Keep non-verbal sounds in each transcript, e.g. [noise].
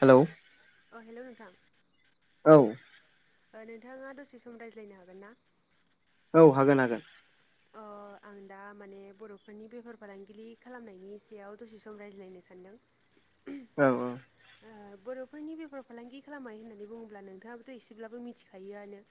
Hello अ हेल' नोंथां औ नोंथाङा दसे सम रायज्लायनो हागोन ना औ हागोन हागोन ओ आं दा माने बर'फोरनि बेफार फालांगिरि खालामनायनि सायाव दसे सम रायज्लायनो सानदों औ औ। बर'फोरनि बेफार फालांगि खालामनाय होननानै बुङोब्ला नोंथाङाबोथ' एसेब्लाबो मिथिखायोआनो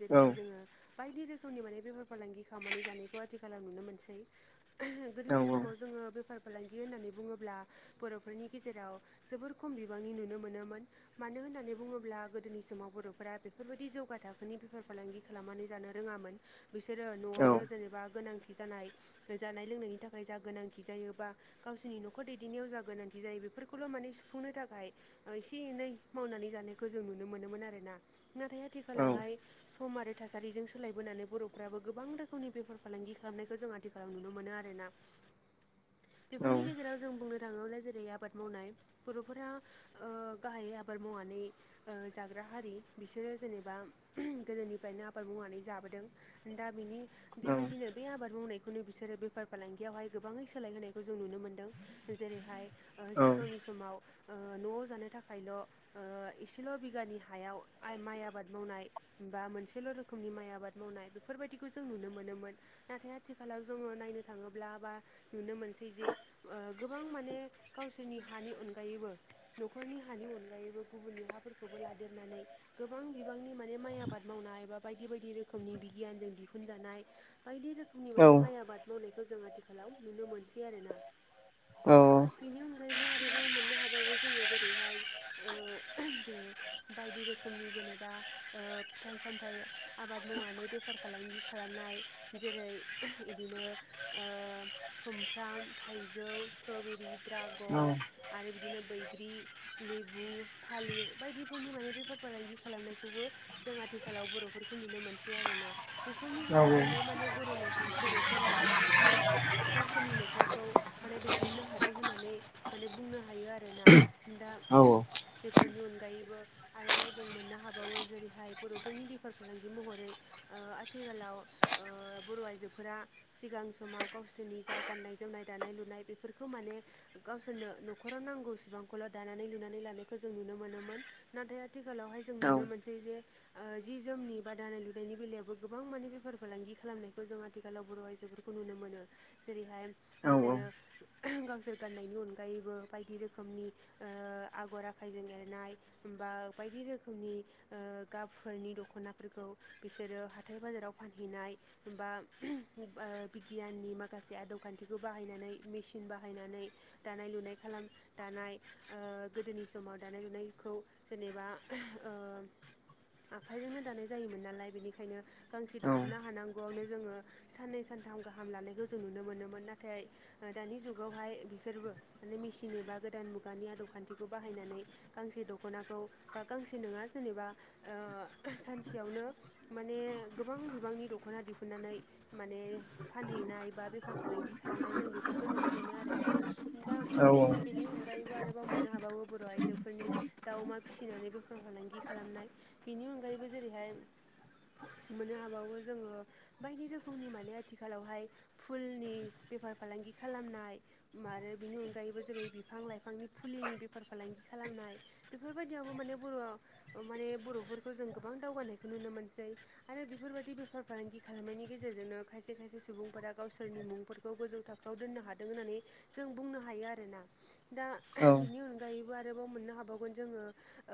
जेरैहाय जोङो बायदि रोखोमनि माने बेफार फालांगि खालामनानै जानायखौ आथिखालाव नुनो मोनसै। गोदोनि समाव जोङो बेफार फालांगि होननानै बुङोब्ला बर'फोरनि गेजेराव जोबोर खम बिबांनि नुनो मोनोमोन। मानो होननानै बुङोब्ला गोदोनि समाव बर'फोरा बेफोरबायदि जौगा थाखोनि बेफार फालांगि खालामनानै जानो रोङामोन बिसोरो न'आवनो जेनेबा गोनांथि जानाय जानाय लोंनायनि थाखाय जा गोनांथि जायोबा गावसोरनि न'खर दैदेननायाव जा गोनांथि जायो बेफोरखौल' माने सुफुंनो थाखाय एसे एनै मावनानै जानायखौ जों नुनो मोनोमोन आरोना नाथाय आथिखालावहाय सम आरो थासारिजों सोलायबोनानै बर'फ्राबो गोबां रोखोमनि बेफार फालांगि खालामनायखौ जों आथिखाल फोराव नुनो मोनो आरोना बेफोरनि गेजेराव जों बुंनो थाङोब्ला जेरै आबाद मावनाय बर'फोरा गाहायै आबाद मावनानै जाग्रा हारि बिसोरो जेनेबा गोदोनिफ्रायनो आबाद मावनानै जाबोदों दा बिनि बेबायदिनो बे आबाद मावनायखौनो बिसोरो बेफार फालांगियावहाय गोबाङै सोलायहायखौ जों नुनो मोनदों जेरैहाय सिगांनि समाव न'आव जानो थाखायल' इसेल' बिगानि हायाव माइ आबाद मावनाय बा मोनसेल' रोखोमनि माइ आबाद मावनाय बेफोरबायदिखौ जों नुनो मोनोमोन नाथाय आथिखालाव जोङो नायनो थाङोब्ला बा नुनो मोनसै जे गोबां माने गावसोरनि हानि अनगायैबो न'खरनि हानि अनगायैबो गुबुननि हाफोरखौबो लादेरनानै गोबां बिबांनि माने माइ आबाद मावनाय बा बायदि बायदि रोखोमनि बिगियानजों दिहुनजानाय बायदि रोखोम फुंनि माने माइ आबाद मावनायखौ जों आथिखालाव नुनो मोनसै आरोना औ बेनि अनगायैबो आरोबाव मोननो हाबावो जोङो जेरैहाय जेरै बायदि रोखोमनि जेनेबा फिथाइ सामथाइ आबाद मावनानै बेफार फालांगि खालामनाय जेरै बिदिनो सुमफ्राम थाइजौ स्ट्रबेरि दड्रागन आरो बिदिनो बैग्रि लेबु थालिर बायदिफोरनि माने बेफार फालांगि खालामनायखौबो जों आथिखालाव बर'फोरखौ नुनो मोनसै आरोना बेफोरनि गेजेरजोंबो माने बर' न' बर'फोरा गावसोरनि न'खरखौ माने दैदेननो हादों होननानै माने बुंनो हायो आरोना दा बेफोरनि अनगायैबो आरोबाव जों मोननो हाबावो जेरैहाय बर'फोरनि बेफार फालांगि महरै ओ आथिखालाव ओ बर' आइजोफोरा सिगां समाव गावसोरनि जा गाननाय जोमनाय दानाय लुनाय बेफोरखौ माने गावसोरनो न'खराव नांगौ सिबांखौल' दानानै लुनानै लानायखौ जों नुनो मोनोमोन नाथाय आथिखालावहाय जों नुनो मोनसै जे ओ जि जोमनि बा दानाय लुनायनि बेलायावबो गोबां माने बेफार फालांगि खालामनायखौ जों आथिखालाव बर' आइजोफोरखौ खौ नुनो मोनो जेरैहाय बिसोरो गावसोर गाननायनि अनगायैबो बायदि रोखोमनि ओ आगर आखायजों एरनाय बा बायदि रोखोमनि ओ गाबफोरनि दख'नाफोरखौ बिसोरो हाथाय बाजाराव फानहैनाय बा बिगियाननि माखासे आदब खान्थिखौ बाहायनानै मेसिन बाहायनानै दानाय लुनाय खालाम दानाय ओ गोदोनि समाव दानाय लुनायखौ जेनेबा ओ आखाइजोंनो दानाय जायोमोन नालाय बेनिखायनो गांसे दख'ना हानांगौआवनो जोङो साननै सानथाम गाहाम लानायखौ जों नुनो मोनोमोन नाथाय दानि जुगावहाय बिसोरबो माने मेसिन एबा गोदान मुगानि आदब खान्थिखौ बाहायनानै गांसे दख'नाखौ बा गांसे नङा जेनेबा ओ सानसेयावनो माने गोबां बिबांनि दख'ना दिहुननानै माने फानहैनाय बा बेफार फालांगि खालामनाय जों बेफोरखौ नुनो मोनो आरो ना दा बेनि अन- -गायैबो आरोबाव मोननो हाबावो बर' आइजोफोरनि दाउ अमा फिसिनानै बेफोर फालांगि खालामनाय बेनि अनगायैबो जेरैहाय मोननो हाबावो जोङो बायदि रोखोमनि माने आथिखालावहाय फुलनि बेफार फालांगि खालामनाय आरो बिनि अनगायैबो जेरै बिफां लाइफांनि फुलिनि बेफार फालांगि खालामनाय बेफोरबायदियावबो माने बर' माने बर'फोरखौ जों गोबां दावगानायखौ नुनो मोनसै। आरो बेफोरबायदि बेफार फालांगि खालामनायनि गेजेरजोंनो खायसे खायसे सुबुंफोरा गावसोरनि मुंफोर खौ गोजौ थाखोआव दोननो हादों होननानै जों बुंनो हायो आरोना। दा बेनि अन गायैबो आरोबाव मोननो हाबावगोन जोङो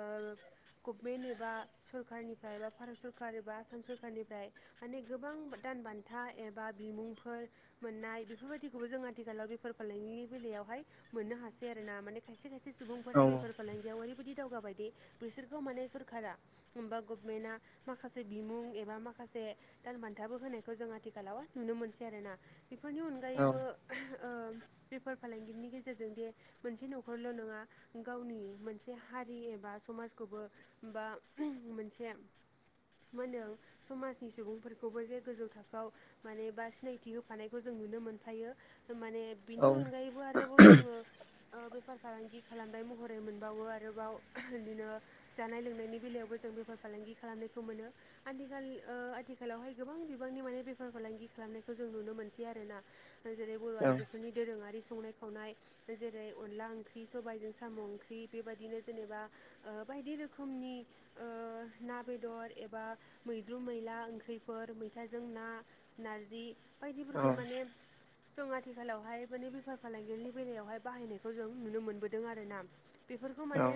ओ गभमेन्ट एबा सरखारारनिफ्राय एबा भारत सरकार एबा आसाम सरखारनिफ्राय माने गोबां दान बान्था एबा बिमुंफोर मोननाय बेफोरबायदिखौबो जों आथिखालाव बेफोर फालांगिनि बेलायावहाय मोननो हासै आरोना। माने खायसे खायसे सुबुंफोरा बेफोर फालांगियाव ओरैबायदि दावगाबायदि बिसोरखौ माने सोरखारा बा गभमेन्टआ माखासे बिमुं एबा माखासे दान बान्थाबो होनायखौ जों आथिखालाव नुनो मोनसै आरोना। बेफोरनि अनगायैबो ओ बेफार फालांगिरिनि गेजेरजों दि मोनसे नख'रल' नङा गावनि मोनसे हारि एबा समाजखौबो बा मोनसे मा होनदों समाजनि सुबुंफोरखौबो जे गोजौ थाखोआव माने बा सिनायथि होफानायखौ जों नुनो मोनफायो माने बिनि अनगायै आरोबाव जोङो ओ बेफार फालांगि खालामनाय महरै मोनबावो आरोबाव बिदिनो जानाय लोंनायनि बेलायावबो जों बेफार फालांगि खालामनायखौ मोनो। आथिखाल ओ आथिखालावहाय गोबां बिबांनि माने बेफार फालांगि खालामनायखौ जों नुनो मोनसै आरोना। ओ जेरै बर' आइजोफोरनि दोरोङारि संनाय खावनाय। जेरै अनला ओंख्रि सबायजों साम' ओंख्रि बेबायदिनो जेनेबा ओ बायदि रोखोमनि ओ ना बेदर एबा मैद्रु मैला ओंख्रिफोर मैथाजों ना नार्जि बायदिफोरखौ माने जों आथिखालावहाय माने बेफार फालांगिनि बेलायावहाय बाहायनायखौ जों नुनो मोनबोदों आरोना। बेफोरखौ माने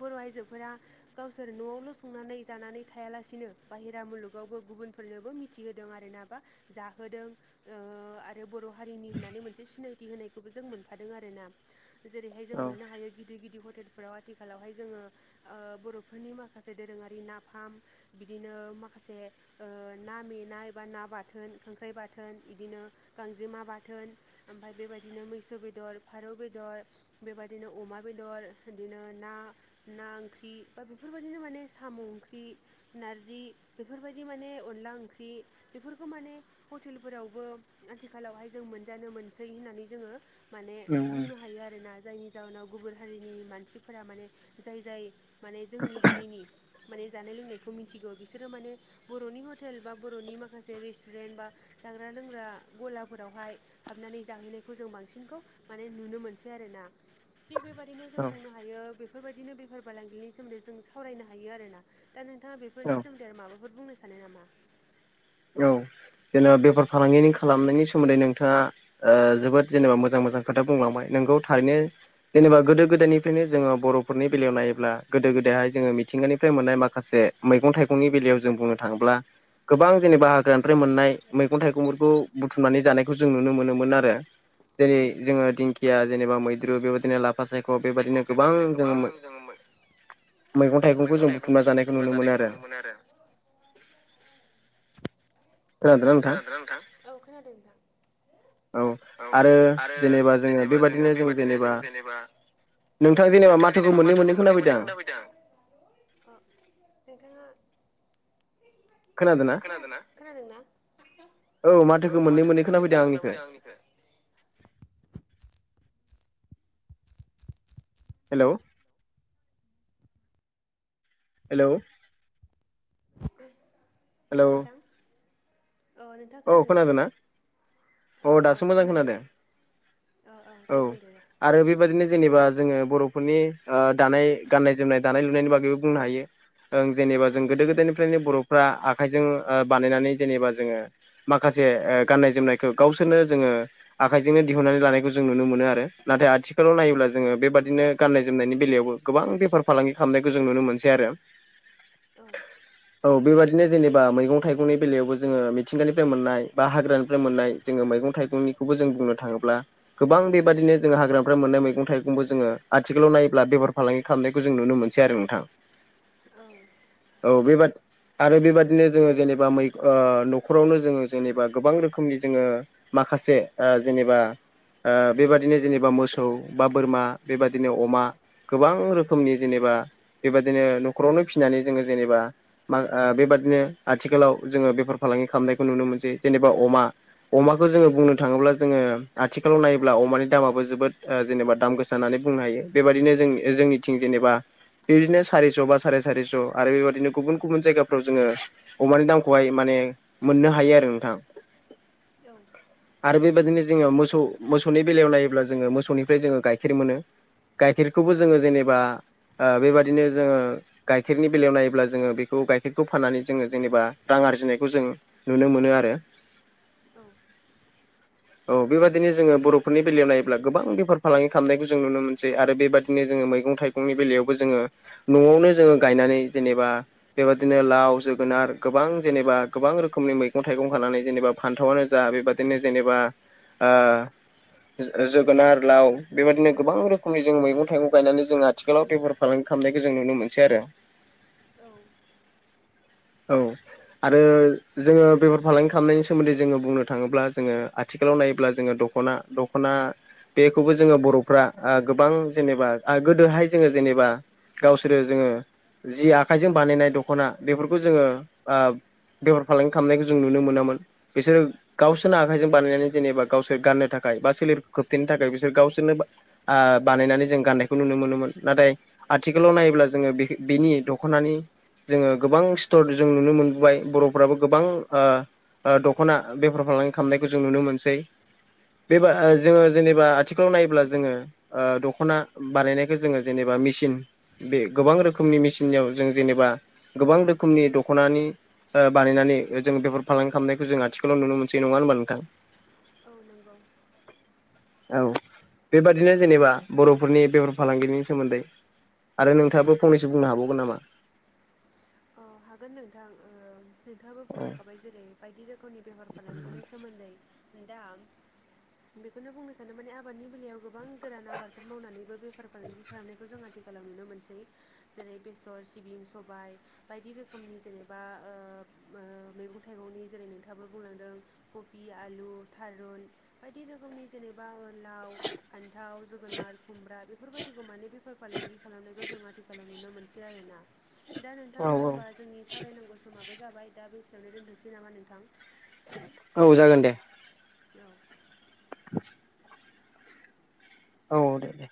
बर' आइजोफोरा गावसोर न'आवल' संनानै जानानै थायालासिनो बाहेरा मुलुगावबो गुबुनफोरनोबो मि थि होदों आरोना बा जाहोदों। ओ आरो बर' हारिनि होननानै मोनसे सिनायथि होनायखौबो जों मोनफादों आरोना। जेरैहाय जों मोननो हायो गिदिर गिदिर हटेलफोराव आथिखालावहाय जोङो ओ बर'फोरनि माखासे दोरोङारि नाफाम बिदिनो माखासे ओ ना मेनाय बा ना बाथोन खांख्राइ बाथोन इदिनो गांजेमा बाथोन ओमफ्राय बेबायदिनो मैसो बेदर फारौ बेदर बेबायदिनो अमा बेदर बिदिनो ना ना ओंख्रि बा बेफोरबायदिनो माने साम' ओंख्रि नार्जि बेफोरबायदि माने अनला ओंख्रि बेफोरखौ माने हटेलफोरावबो आथिखालावहाय जों मोनजानो मोनसै होननानै जोङो माने बुंनो हायो आरोना। जायनि जाहोनाव गुबुन हारिनि मानसिफोरा माने जाय जाय माने जोंनि हारिनि माने जानाय लोंनायखौ मिथिगौ। बिसोरो माने बर'नि हटेल बा बर'नि माखासे रेस्टुरेन्ट बा जाग्रा लोंग्रा गलाफोरावहाय हाबनानै जाहैनायखौ जों बांसिनखौ माने नुनो मोनसै आरोना। थिग बेबायदिनो जों बुंनो हा यो बेफोरबायदिनो बेफार फालांगिनि सोमोन्दै जों सावरायनो हायो आरोना। दा नोंथाङा बेफोरनि सोमो न्दै ‌माबाफोर बुंनो सानो नामा? औ जेनेबा बेफार फालांगि खालामनायनि सोमोन्दै नोंथाङा ओ जोबोद जेनेबा मोजां मोजां खोथा बुंलांबाय। नोंगौ थारैनो जेनेबा गोदो गोदायनिफ्रायनो जोङो बर'फोरनि बेलायाव नायोब्ला गोदो गोदायहाय जोङो मिथिंगानिफ्राय मोननाय माखासे मैगं थाइगंनि बेलायाव जों बुंनो थाङोब्ला गोबां जेनेबा हाग्रानिफ्राय मोननाय मैगं थाइगंफोरखौ बुथुमनानै जानायखौ जों नुनो मोनोमोन आरो जेरै जोङो दिंखिया जेनेबा मैद्रु बेबायदिनो ला फासायख' बेबादिनो गोबां जोङो मैगं थाइगंखौ जों बुथुमना जानायखौ नुनो मोनो आरो खोनादोंना नोंथां? औ खोनादों नोंथां। औ आरो जेनेबा जोङो बेबादिनो जों जेनेबा नोंथां जेनेबा माथोखौ मोननै मोननै खोनाफैदों आं। नोंथाङा दा खोनादों ना? खोनादोंना। औ माथोखौ मोननै मोननै खोनाफैदों आंनिखौ हेलौ हेलौ [inaudible] हेलौ नोंथां औ नोंथाङा खोनादों ना? औ औ खोनादों दे आं अ दे बुंदे आरो बेबायदिनो जेनेबा जोङो बर'फोरनि ओ दानाय गाननाय जोमनाय दानाय लुनायनि बागैबो बुंनो हायो ओं जेनेबा जों गोदो गोदायनिफ्रायनो बर'फ्रा आखाइजों बानायनानै जेनेबा जोङो माखासे गाननाय जोमनायखौ गावसोरनो जोङो आखाइजोंनो दिहुनन्नानै लानायखौ जों नुनो मोनो आरो नाथाय आथिखालाव नायोब्ला जोङो बेबादिनो गाननाय जोमनायनि बेलायावबो गोबां बेफार फालांगि खालामनायखौ जों नुनो मोनसै आरो औ औ बेबादिनो जेनेबा मैगं थाइगंनि बेलायावबो जोङो मिथिंगानिफ्राय मोननाय बा हाग्रानिफ्राय मोननाय जोङो मैगं थाइगंनिखौबो जों बुंनो थाङोब्ला गोबां बेबादिनो जोङो हाग्रानिफ्राय मोननाय मैगं थाइगंबो जोङो आथिखालाव नायोब्ला बेफार फालांगि खालामनायखौ जों नुनो मोनसै आरो नोंथां [inaudible] औ बेबादि आरो बेबादिनो जोङो जेनेबा मै ओ नं' 'खरावनो जोङो जेनेबा गोबां रोखोमनि जोङो माखासे जेनेबा बेबादिनो जेनेबा मोसौ बा बोरमा बेबादिनो अमा गोबां रोखोमनि जेनेबा, बेबदिनो न'खरावनो फिनानै जोङो जेनेबा मा ओ बेबादिनो आथिखालाव जोङो बेफार फालांगि खालामनायखौ नुनो मोनसै जेनेबा अमा अमाखौ जोङो बुंनो थाङोब्ला जोङो आथिखालाव नायोब्ला अमानि दामाबो जोबोद जेनेबा दाम गोसा जानानै बुंनो हायो। बेबायदिनो जों जोंनिथिं जेनेबा बेदिनो सारिस' बा साराय सारिस' आरो बेबायदिनो गुबुन गुबुन जायगाफ्राव जोङो अमानि दामखौहाय माने मोननो हायो आरो नोंथां औ आरो बेबायदिनो जोङो मोसौ मोसौनि बेलायाव नायोब्ला जोङो मोसौनिफ्राय जोङो गाइखेर मोनो गाइखेरखौबो जोङो जेनेबा बेबादिनो जोङो गाइखेरनि बेलायाव नायोब्ला जोङो बेखौ गाइखेरखौ फाननानै जोङो जेनेबा रां आरजिनायखौ जों नुनो मोनो आरो औ औ बेबाददिनो जोङो बर'फोरनि बेलायाव नायोब्ला गोबां बेफार फालांगि खालामनायखौ जों नुनो मोनसै आरो बेबादि दिनो जोङो मैगं थाइगंनि बेलायावबो जोङो न'आवनो जोङो गायनानै जेनेबा बेबादिनो लाव जोगोनार गोबां जेनेबा गोबां रो खोमनि मैगं थाइगं खानानै जेनेबा फान्थावआनो जा बेबादिनो जेनेबा जोगोनार लाव बेबायदिनो गोबां रोखोमनि जों मैगं थाइगं गायनानै जोंहा आथिखालाव बेफार फालांगि खालामनायखौ जों नुनो मोनसै आरो औ औ आरो जोङो बेफार फालांगि खालामनायनि सोमोन्दै जोङो बुंनो थाङोब्ला जोङो आथिखालाव नायोब्ला जोङो दख'ना दख'ना बेखौबो जोङो बर'फ्रा ओ गोबां जेनेबा आ गोदोहाय जोङो जेनेबा गावसोरो जोङो जि आखाइजों बानायनाय दख'ना बेफोरखौ जोङो ओ फालांगि खामनायखौ जों नुनो मोनामोन बिसोरो गावसोरनो आखाइजों बानायनानै जेनेबा गावसोर गाननो थाखाय बा सोलेरखौ खोबथेनो थाखाय बिसोर गावसोरनो बा आ बानायनानै जों गाननायखौ नुनो मोनोमोन नाथाय आथिखालाव नायोब्ला जोङो बेखि बिनि दख'नानि जोङो गोबां स्टर जों नुनो मोनबोबाय बर' फोराबो गोबां ओ ओ दख'ना बेफार फालांगि खामनायखौ जों नुनो मोनसै बे बा ओ जोङो जेनेबा आथिखालाव नायोब्ला जोङो ओ दख'ना बानायनायखौ जोङो जेनेबा मिसिन बे गोबां रोखोमनि मेसिनयाव जों जेनेबा गोबां रोखोमनि दख'नानि ओ बानायनानै ओ जोंङो बेफार फालांगि खामनायखौ जों आथिखालाव नुनो मोनसै नङा होमबा नोंथां? औ नोंगौ। औ बेबादिनो जेनेबा बर'फोरनि बेफार फालांगिनि सोमोन्दै आरो नोंथाङाबो फंनैसो बुंनो हाबावगोन नामा? अ हागोन नोंथां ओ नोंथाङाबो बुंलांखाबाय जेरै बायदि रोखोमनि बेफार फालांगिनि सो सोमोन्दै दा बेखौनो बुंनो सानो माने आबादनि बेलायाव गोबां गोरान आबादफोर मावनानैबो बेफार फालांगि खालामनायखौ जोंहा आथिखालाव नुनो मोनसै जेरै बेसर, सिबिं, सबाय बायदि रोखोमनि जेनेबा ओब ओ मैगं थाइगंनि जेरै नोंथाङाबो बुंलांदों कबि, आलु, थारुन बायदि रोखोमनि जेनेब बा लाव, फान्थाव, जोगोनार, खुमब्रा बेफोरबायदिखौ माने बेफ फार फालांगि खालामनायखौ जों आथिखालाव नुनो मोनसै आरोना दा नों थां जोमबा जोंनि सावरायनांगौ समाबो जाबाय दा बेसेयावनो दोननोसै नामा नोंथां? औ जागोन दे औ [inaudible] औ दे दे